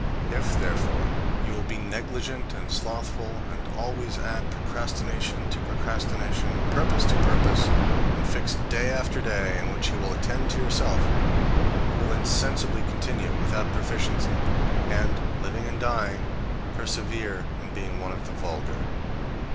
If, therefore, you will be negligent and slothful, and always add procrastination to procrastination, purpose to purpose, and fix day after day in which you will attend to yourself, you will insensibly continue without proficiency, and, living and dying, persevere in being one of the vulgar.